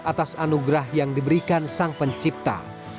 atas anugerah yang diberikan sang pencipta